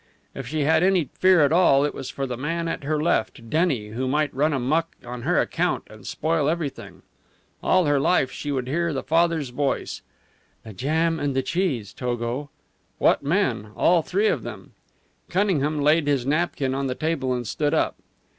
If she had any fear at all it was for the man at her left Denny who might run amuck on her account and spoil everything. All her life she would hear the father's voice "The jam and the cheese, Togo." What men, all three of them! Cunningham laid his napkin on the table and stood up.